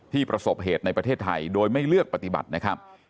ประสบเหตุในประเทศไทยโดยไม่เลือกปฏิบัตินะครับ